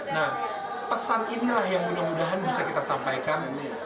nah pesan inilah yang mudah mudahan bisa kita sampaikan